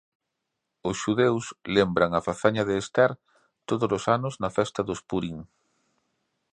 Os xudeus lembran a fazaña de Ester tódolos anos na festa dos Purim.